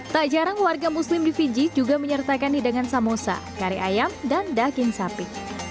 tak jarang warga muslim di fiji juga menyertakan hidangan samosa kari ayam dan daging sapi